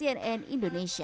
tim liputan cnn indonesia